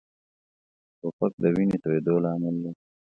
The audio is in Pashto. توپک د وینې تویېدو لامل دی.